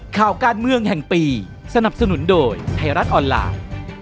ข่าวการเมืองแห่งปีสนับสนุนโดยไทยรัฐออนไลน์